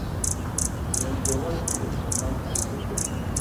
وینکوور ته د شمال هالیوډ وايي.